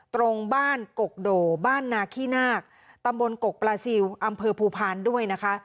ตรงบ้านกกโดบ้านนาขี้นาคตำบลกกปลาซิลอำเภอภูพาลด้วยนะคะ